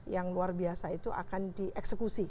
yang luar biasa itu akan dieksekusi